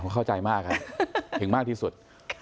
เข้าใจมากถึงมากที่สุด